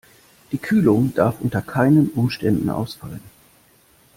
Die Kühlung darf unter keinen Umständen ausfallen.